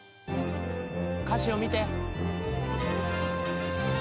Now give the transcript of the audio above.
歌詞を見て。